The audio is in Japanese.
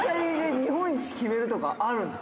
日本一を決めるとかあるんですか？